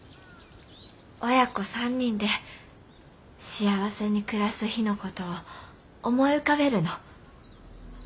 親子３人で幸せに暮らす日の事を思い浮かべるの。